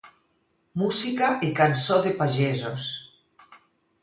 Música i cançó de pagesos.